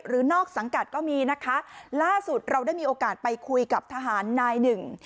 นอกสังกัดก็มีนะคะล่าสุดเราได้มีโอกาสไปคุยกับทหารนายหนึ่ง